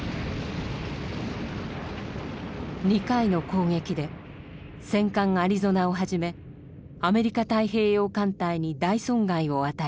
２回の攻撃で戦艦アリゾナをはじめアメリカ太平洋艦隊に大損害を与えました。